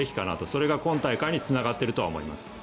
それが今大会につながっているとは思います。